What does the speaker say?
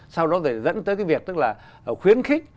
sau đó rồi dẫn tới cái việc tức là khuyến khích